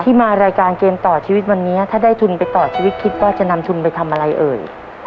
มารายการเกมต่อชีวิตวันนี้ถ้าได้ทุนไปต่อชีวิตคิดว่าจะนำทุนไปทำอะไรเอ่ย